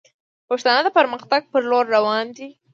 پښتانه د پرمختګ پر لور روان دي